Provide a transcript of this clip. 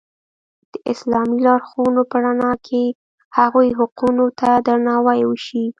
د اسلامي لارښوونو په رڼا کې هغوی حقونو ته درناوی وشي.